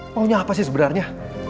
maunya apa sih sebenarnya